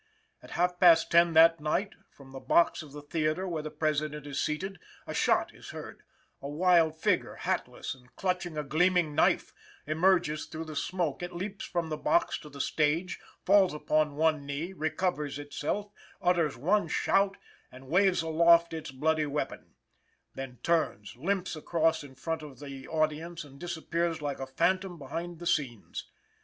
At half past ten that night, from the box of the theatre where the President is seated, a shot is heard; a wild figure, hatless and clutching a gleaming knife, emerges through the smoke; it leaps from the box to the stage, falls upon one knee, recovers itself, utters one shout and waves aloft its bloody weapon; then turns, limps across in front of the audience and disappears like a phantom behind the scenes.